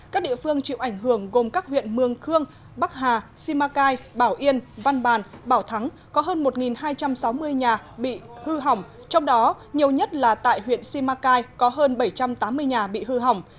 các địa phương chịu ảnh hưởng gồm các huyện mương khương bắc hà simacai bảo yên văn bàn bảo thắng có hơn một hai trăm sáu mươi nhà bị hư hỏng trong đó nhiều nhất là tại huyện simacai có hơn bảy trăm tám mươi nhà bị hư hỏng